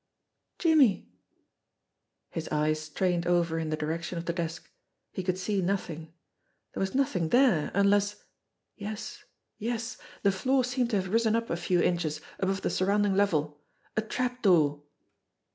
"Jimmie!" His eyes strained over in the direction of the desk. He could see nothing. There was nothing there, unless yes, yes, the floor seemed to have risen up a few inches above the sur rounding level. A trap door!